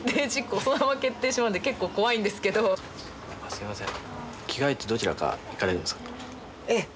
すいません。